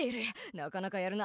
なかなかやるな。